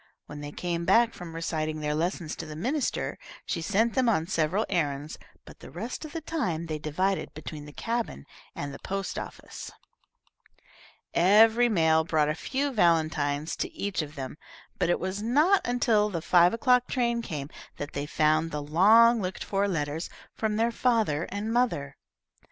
When they came back from reciting their lessons to the minister, she sent them on several errands, but the rest of the time they divided between the cabin and the post office. Every mail brought a few valentines to each of them, but it was not until the five o'clock train came that they found the long looked for letters from their father and mother.